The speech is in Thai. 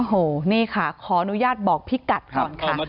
โอ้โหนี่ค่ะขออนุญาตบอกพี่กัดก่อนค่ะ